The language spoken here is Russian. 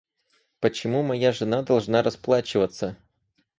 Почему моя жена должна расплачиваться?